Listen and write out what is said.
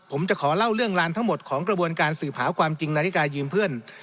ผมจะขอเล่าเรื่องลานทั้งหมดของกระบวนการสืบหาความจริงนาฬิกายืมเพื่อน